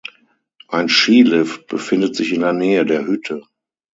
Ein Skilift befindet sich in der Nähe der Hütte.